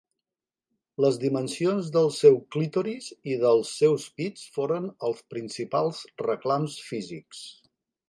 Les dimensions del seu clítoris i dels seus pits foren els principals reclams físics.